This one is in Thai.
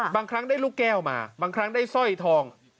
บางครั้งได้ลูกแก้วมาบางครั้งได้สร้อยทอง